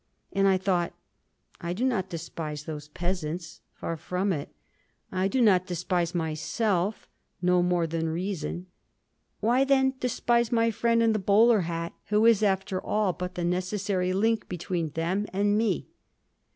And I thought: "I do not despise those peasants—far from it. I do not despise myself—no more than reason; why, then, despise my friend in the bowler hat, who is, after all, but the necessary link between them and me?"